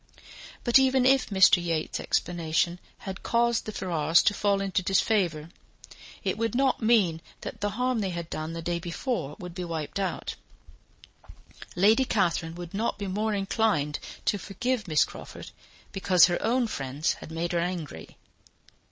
But even if Mr. Yates's explanation had caused the Ferrars to fall into disfavour, it would not mean that the harm they had done the day before would be wiped out; Lady Catherine would not be more inclined to forgive Miss Crawford because her own friends had made her angry.